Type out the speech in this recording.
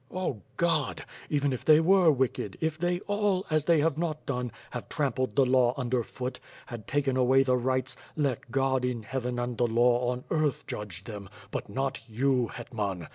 Oh, God! Even if they were wicked, if they all, as they have not done, have trampled the law under foot; had taken away the rights; let God in heaven and the law on earth judge them, but not you, Hetnxan!